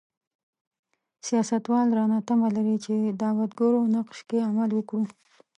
سیاستوال رانه تمه لري چې دعوتګرو نقش کې عمل وکړو.